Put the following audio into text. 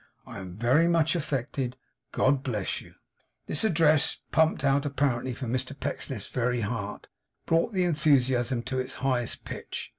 I am very much affected. God bless you!' This address, pumped out apparently from Mr Pecksniff's very heart, brought the enthusiasm to its highest pitch.